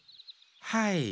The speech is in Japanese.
はい。